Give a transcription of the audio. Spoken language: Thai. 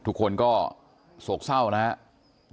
ทุกคนก็โศกเศร้านะครับ